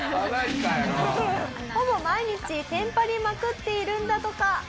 ほぼ毎日テンパりまくっているんだとか。